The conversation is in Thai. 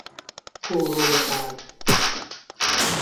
ผู้ร่วมรายการ